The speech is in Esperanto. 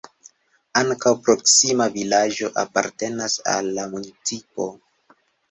Ankaŭ proksima vilaĝo apartenas al la municipo.